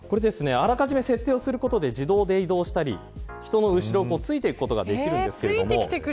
あらかじめ設定することで自動で移動したり人の後ろを付いていくことができます。